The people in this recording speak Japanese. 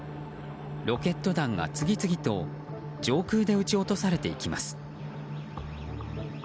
ロケット弾が次々と上空で撃ち落とされていきます。